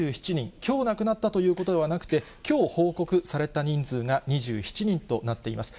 きょう亡くなったということではなくて、きょう報告された人数が２７人となっています。